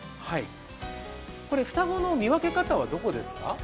これ、双子の見分け方はどこですか？